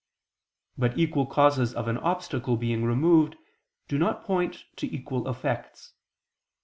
But equal causes of an obstacle being removed, do not point to equal effects.